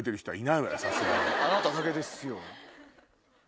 あなただけですよ。